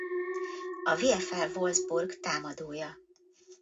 A VfL Wolfsburg támadója.